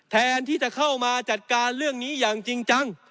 แทนที่จะเข้ามาจัดการเรื่องนี้อย่างจริงจัง